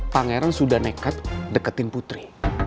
pangeran sudah nekat deketin putri